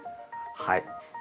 はい。